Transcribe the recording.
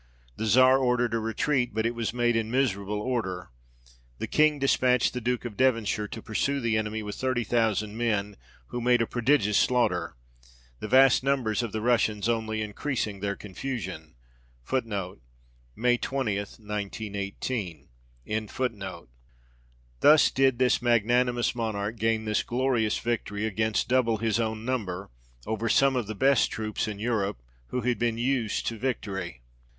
The Czar ordered a retreat, but it was made in miserable order ; the King dispatched the Duke of Devonshire to pursue the enemy with thirty thousand men, who made a 48 THE REIGN OF GEORGE VI. prodigious slaughter ; the vast numbers of the Russians only increasing their confusion. 1 Thus did this magnanimous Monarch gain this glorious victory, against double his own number, over some of the best troops in Europe, who had been used to victory.